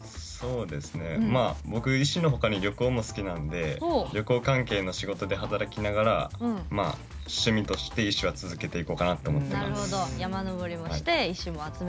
僕、石の他に旅行も好きなので旅行関係の仕事で働きながら趣味として、石は続けていこうかなと思ってます。